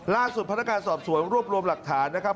พนักการสอบสวนรวบรวมหลักฐานนะครับ